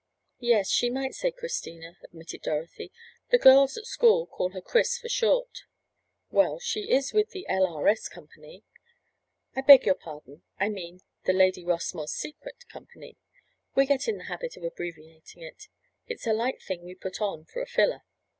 "Yes, she might say Christina," admitted Dorothy. "The girls at school called her 'Chris' for short." "Well, she is with the 'L. R. S.' company—I beg your pardon, I mean the 'Lady Rossmore's Secret' company. We get in the habit of abbreviating it. It's a light thing we put on for a filler.